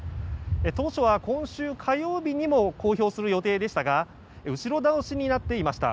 当初は今週火曜日にも公表する予定でしたが後ろ倒しになっていました。